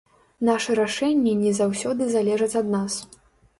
Нашы рашэнні не заўсёды залежаць ад нас.